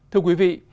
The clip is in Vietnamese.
thưa quý vị